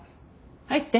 入って。